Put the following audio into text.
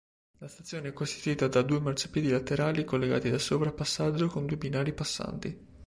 La stazione è costituita due marciapiedi laterali collegati da sovrapassaggio con due binari passanti.